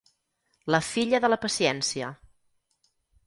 La filla de la paciència.